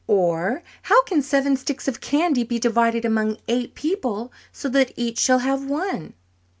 Or, how can seven sticks of candy be divided among eight people so that each shall have one?